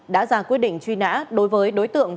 đã ra quyết định truy nã đối với đối tượng